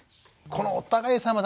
この「お互いさま」